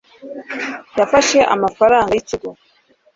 yafashe amafaranga yikigo